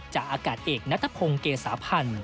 จากอากาศเอกนัทพงศ์เกษาพันธ์